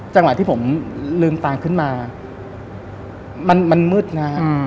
จังหวะที่ผมลืมตาขึ้นมามันมืดนะฮะ